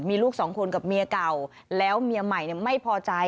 มีลูกสองคนกับเมียเก่าแล้วเมียใหม่ไม่พอใจ